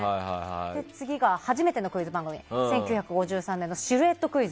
次が、初めてのクイズ番組が１９５３年の「シルエットクイズ」。